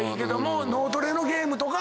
脳トレのゲームとかは。